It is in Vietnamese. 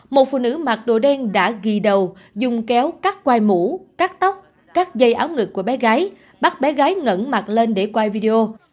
một phụ nữ mặc đồ đen đã ghi đầu dùng kéo cắt quai mũ cắt tóc cắt dây áo ngực của bé gái bắt bé gái ngẩn mặt lên để quay video